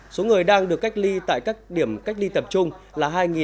số người đang được cách ly tại các điểm cách ly tập trung là hai hai trăm năm mươi hai người